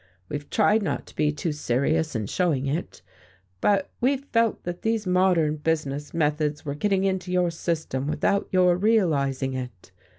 We've tried not to be too serious in showing it, but we've felt that these modern business methods were getting into your system without your realizing it.